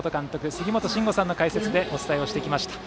杉本真吾さんの解説でお伝えをしてきました。